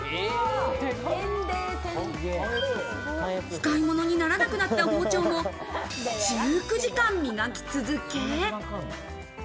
使い物にならなくなった包丁も１９時間磨き続け。